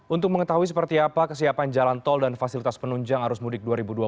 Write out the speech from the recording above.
untuk mengetahui seperti apa kesiapan jalan tol dan fasilitas penunjang arus mudik dua ribu dua puluh